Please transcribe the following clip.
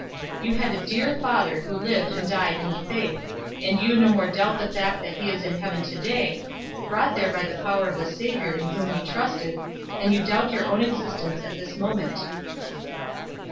You had a dear father who lived and died in the faith, and you no more doubt the fact that he is in heaven to day, brought there by the power of the Savior in whom he trusted, than you doubt your own existence at this moment."